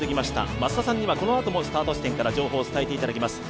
増田さんにはこのあともスタート地点から情報を伝えていただきます。